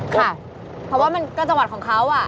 ค่ะเพราะว่ามันก็จังหวัดของเขา